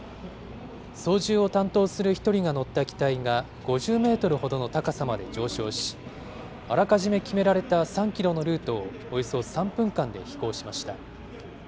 操縦を担当する１人が乗った機体が、５０メートルほどの高さまで上昇し、あらかじめ決められた３キロのルートを、およそ３分間で飛行しました。